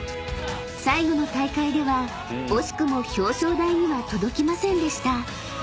［最後の大会では惜しくも表彰台には届きませんでした］